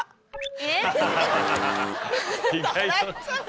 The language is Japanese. えっ？